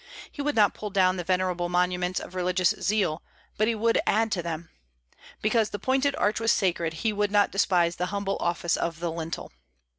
He would not pull down the venerable monuments of religious zeal, but he would add to them. "Because the pointed arch was sacred, he would not despise the humble office of the lintel."